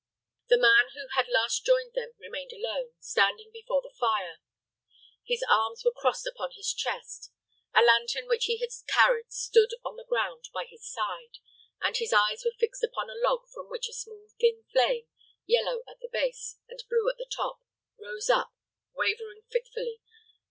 The man who had last joined them remained alone, standing before the fire. His arms were crossed upon his chest; a lantern which he had carried stood on the ground by his side; and his eyes were fixed upon a log from which a small thin flame, yellow at the base, and blue at the top, rose up, wavering fitfully.